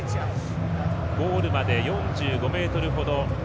ゴールまで４５ｍほど。